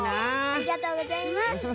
ありがとうございます。